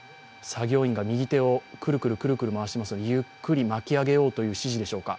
作業員が右手をくるくる回してますがゆっくり巻き上げようという指示でしょうか。